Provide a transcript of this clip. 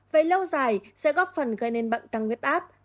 vậy lâu dài sẽ góp phần gây nên bệnh tăng nguyết áp